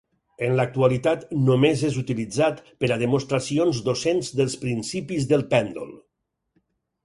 En l'actualitat només és utilitzat per a demostracions docents dels principis del pèndol.